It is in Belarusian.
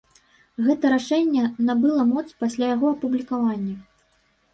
Гэта рашэнне набыло моц пасля яго апублікавання.